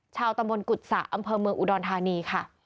ชาวตำบลกุศะอำเภอเมืองอุดรธานีค่ะ